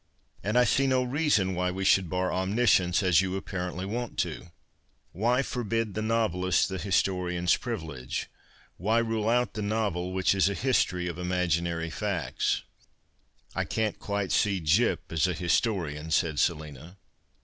And I see no reason why we should l)ar ' omniscience,' as you apparently want to. Why forbid the novelist the historian's ])ri\ilege ? Why rule out tiie novel which is a history of imaginary facts ?"" I can't (piitc see Gyp as a historian," said Selina.